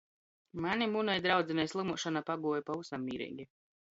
Maņ i munai draudzinei slymuošona paguoja pavysam mīreigi.